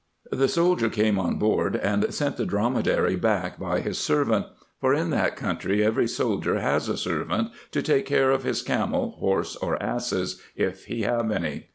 The soldier came on board, and sent the dromedary back by his servant; for in that country every soldier has a servant, to take care of his camel, horse, or asses, if he have any.